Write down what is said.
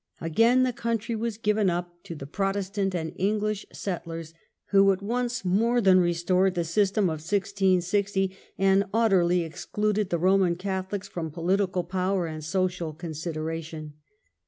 Again the country was given up to the Protestant and English settlers, who, at once, more than restored the system of 1660, and utterly excluded the Roman Catholics from political power and social con sideration.